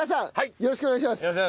よろしくお願いします。